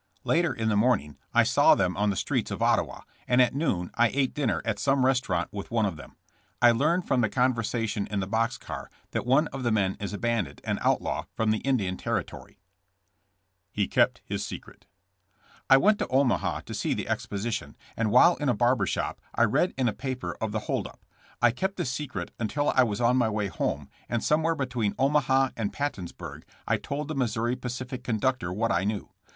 Later in the morning I saw them on the streets of Ottawa, and at noon I ate dinner at some restaurant with one of them. I learned from the conversation in the box car that one of the men is a bandit and outlaw from the Indian Territory. 124 jKSs:^ JAMES. HE BIEPT HIS SECRET. I went to Omaha to see the exposition, and while in a barber shop I read in a paper of the hold up. I kept the secret until I was on my way home, and somewhere between Omaha and Pattonsburg I told the Missouri Pacific conductor what I knew.